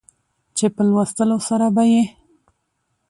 چې په لوستلو سره به يې